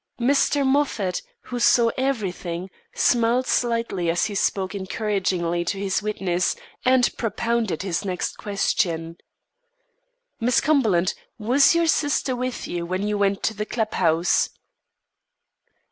Mr. Moffat, who saw everything, smiled slightly as he spoke encouragingly to his witness, and propounded his next question: "Miss Cumberland, was your sister with you when you went to the club house?"